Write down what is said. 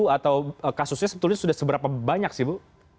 atau kasusnya sebetulnya sudah seberapa banyak sih bu